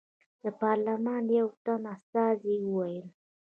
د پارلمان یو تن استازي وویل.